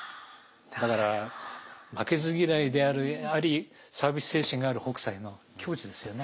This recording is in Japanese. だから負けず嫌いでありサービス精神がある北斎の境地ですよね